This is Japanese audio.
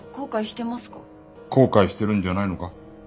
後悔してるんじゃないのか？